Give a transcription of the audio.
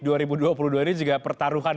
dua ribu dua puluh dua ini juga pertaruhan